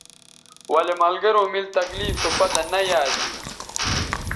ولے ملگروں میل تکلیف سو پتہ نہ یا اسی